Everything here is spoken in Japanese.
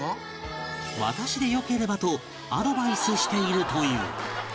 私でよければとアドバイスしているという